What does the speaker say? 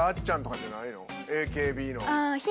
ＡＫＢの。